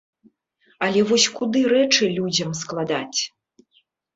Але вось куды рэчы людзям складаць?